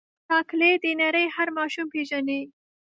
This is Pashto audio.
چاکلېټ د نړۍ هر ماشوم پیژني.